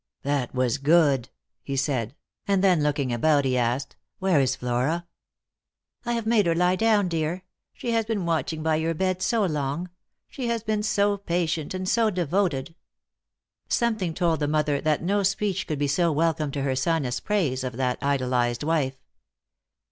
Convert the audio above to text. " That was good," he said ; and then looking about, he asked, " Where is Flora ?"" I have made her lie down, dear. She has been watching by your bed so long ; she has been so patient and devoted." Something told the mother that no speech could be so welcome to her son as praise of that idolised wife.